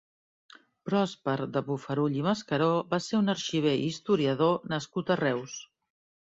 Pròsper de Bofarull i Mascaró va ser un arxiver i historiador nascut a Reus.